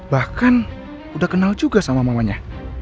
bahkan udah kenal juga sama mamanya